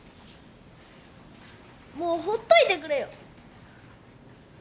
もうほっといてくれよ。